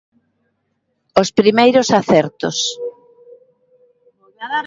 Os primeiros acertos.